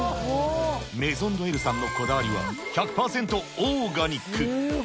メゾン・ド・エルさんのこだわりは、１００％オーガニック。